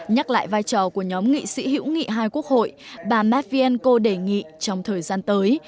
nhắc lại vai trò của nhóm nghị sĩ hữu nghị hai quốc hội bà mephienko đề nghị trong thời gian tới